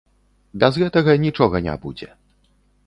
Без гэтага нічога не будзе.